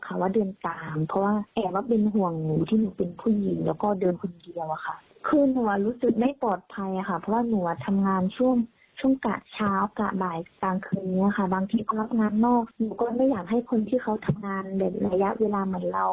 คนที่เค้าทำงานใดระยะเวลาเหมือนเรา